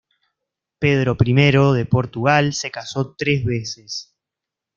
Pedro I de Portugal se casó tres veces.